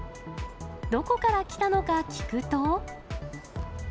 どこから来たのか聞くと。